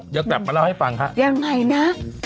เดี๋ยวกลับมาเล่าให้ฟังฮะยังไงนะ